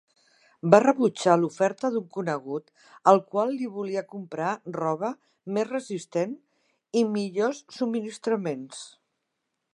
Va rebutjar l'oferta d'un conegut, el qual li volia comprar roba més resistent i millors subministraments.